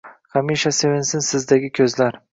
Xamisha sevinsin sizdagi kuzlar